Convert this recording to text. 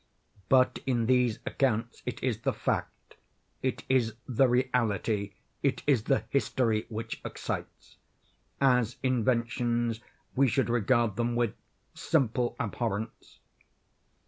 But in these accounts it is the fact——it is the reality——it is the history which excites. As inventions, we should regard them with simple abhorrence.